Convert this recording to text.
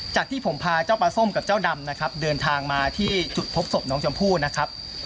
ที่ผมพาเจ้าปลาส้มกับเจ้าดำนะครับเดินทางมาที่จุดพบศพน้องชมพู่นะครับ